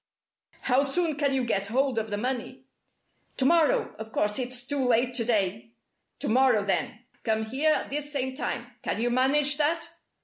"How soon can you get hold of the money?" "To morrow. Of course it's too late to day." "To morrow then. Come here at this same time. Can you manage that?"